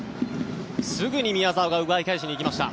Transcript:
すぐに宮澤が奪い返しにいきました。